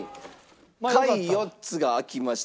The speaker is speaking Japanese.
下位４つが開きました。